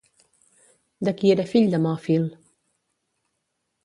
De qui era fill Demòfil?